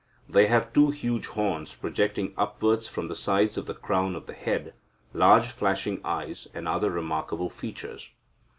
They have two huge horns projecting upwards from the sides of the crown of the head, large flashing eyes, and other remarkable features.